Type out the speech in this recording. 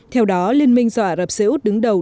theo đó liên minh do ả rập xê út đứng đầu